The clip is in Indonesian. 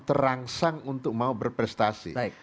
terangsang untuk mau berprestasi